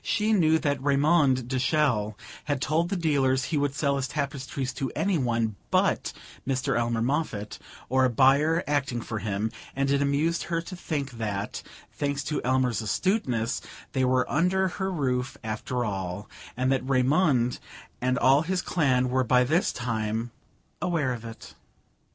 She knew that Raymond de Chelles had told the dealers he would sell his tapestries to anyone but Mr. Elmer Moffatt, or a buyer acting for him; and it amused her to think that, thanks to Elmer's astuteness, they were under her roof after all, and that Raymond and all his clan were by this time aware of it.